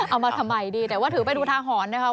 เอามาทำไมดีแต่ว่าถือไปดูทาหรณ์นะคะ